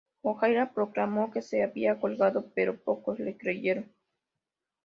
Jogaila proclamó que se había colgado, pero pocos le creyeron.